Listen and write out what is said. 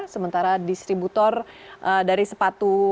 sementara distributor dari sepatu